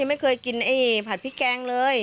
ยังไม่เคยกินผัดพริกแกงเลย